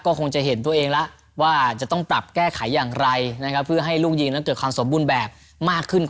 ก็คงจะเห็นตัวเองแล้วว่าจะต้องปรับแก้ไขอย่างไรนะครับเพื่อให้ลูกยิงนั้นเกิดความสมบูรณ์แบบมากขึ้น